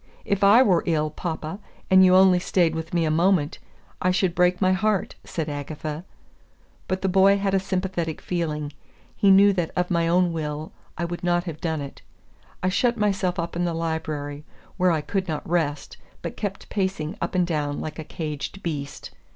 "If I were ill, papa, and you only stayed with me a moment, I should break my heart," said Agatha. But the boy had a sympathetic feeling. He knew that of my own will I would not have done it. I shut myself up in the library, where I could not rest, but kept pacing up and down like a caged beast.